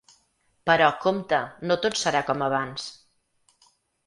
Però, compte, no tot serà com abans.